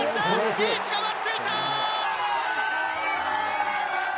リーチが待っていた。